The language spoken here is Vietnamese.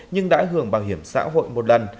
nhưng đã hưởng bảo hiểm xã hội một lần